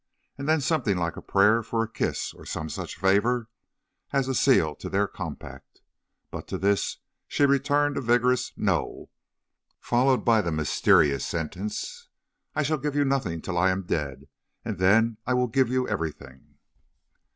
and then something like a prayer for a kiss, or some such favor, as a seal to their compact. But to this she returned a vigorous 'No,' followed by the mysterious sentence: 'I shall give you nothing till I am dead, and then I will give you everything.'